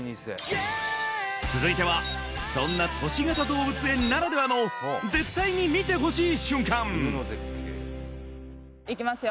続いてはそんな都市型動物園ならではの絶対に見てほしい瞬間いきますよ